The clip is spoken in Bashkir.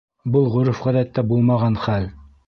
Был ғөрөф-ғәҙәттә булмаған хәл.